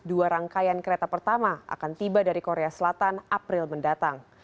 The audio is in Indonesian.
dua rangkaian kereta pertama akan tiba dari korea selatan april mendatang